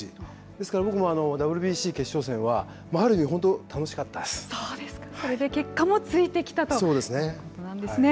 ですから、僕もＷＢＣ決勝戦はそうですか。それで結果もついてきたということなんですね。